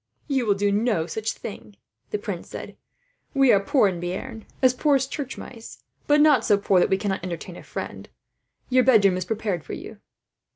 "You will do no such thing," the prince said. "We are poor in Bearn, as poor as church mice; but not so poor that we cannot entertain a friend. Your bedroom is prepared for you."